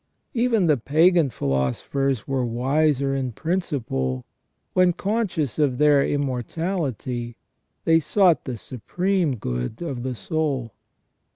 Even the pagan philosophers were wiser in principle when, conscious of their immortality, they sought the supreme good of the soul.